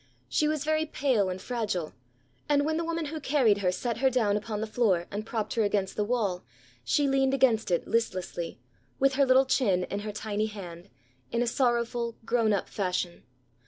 She was very pale and fragile; and when the woman who carried her set her down upon the floor and propped her against the wall, she leaned against it listlessly, with her little chin in her tiny hand, in a sorrowful, grown up fashion.